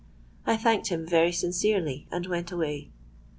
I thanked him very sincerely and went away.